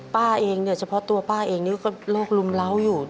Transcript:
ป้าเองเนี่ยเฉพาะตัวป้าเองนี่ก็โรครุมเล้าอยู่